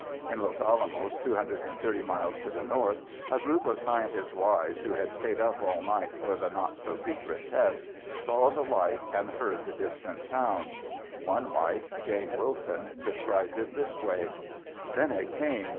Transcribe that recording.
" In Los Alamos 230 miles to the north, a group of scientists' wives who had stayed up all night for the not so secret test, saw the light and heard the distant sound. One wife, Jane Wilson, described it this way, "Then it came.